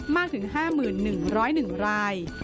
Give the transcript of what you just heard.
มากถึง๕๑๐๑ราย